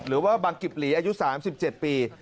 หรือว่าบังกิบหลีอายุ๓๗ปี